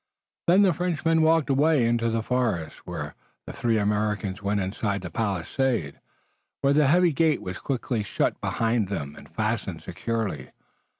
Then the Frenchmen walked away into the forest, while the three Americans went inside the palisade, where the heavy gate was quickly shut behind them and fastened securely.